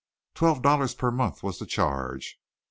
Twelve dollars per month was the charge.